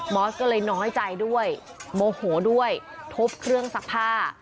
อสก็เลยน้อยใจด้วยโมโหด้วยทบเครื่องซักผ้า